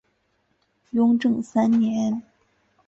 雍正三年。